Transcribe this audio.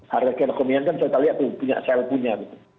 harga keekonomian kan saya lihat tuh saya punya